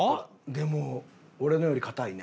でも俺のより硬いな。